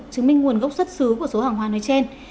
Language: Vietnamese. chứng minh nguồn gốc xuất xứ của số hàng hóa nói trên